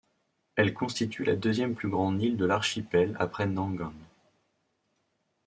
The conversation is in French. Elle constitue la deuxième plus grande île de l'archipel après Nangan.